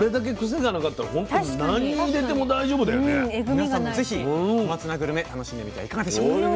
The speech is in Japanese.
皆さんも是非小松菜グルメ楽しんでみてはいかがでしょうか。